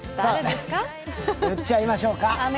言っちゃいましょうか。